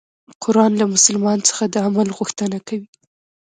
قرآن له مسلمان څخه د عمل غوښتنه کوي.